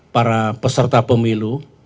para peserta pemilu